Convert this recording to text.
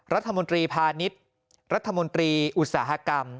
รัฐมนตรีพาณิชย์รัฐมนตรีอุตสาหกรรม